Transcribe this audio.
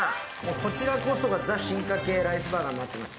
こちらこそがザ・進化系ライスバーガーになってます